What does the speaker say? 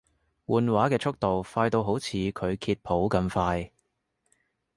換畫嘅速度快到好似佢揭譜咁快